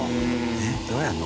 えっどうやるの？